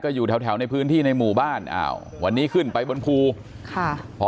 อยู่แถวแถวในพื้นที่ในหมู่บ้านอ้าววันนี้ขึ้นไปบนภูค่ะพอ